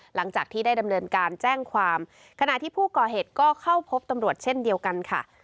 หลังจากที่ได้ดำเนินการแจ้งความขณะที่ผู้ก่อเหตุก็เข้าพบตำรวจเช่นเดียวกันค่ะ